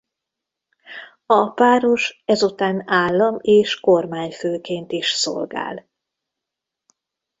A páros ezután állam- és kormányfőként is szolgál.